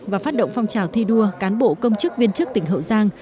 và phát động phong trào thi đua cán bộ công chức viên chức tỉnh hậu giang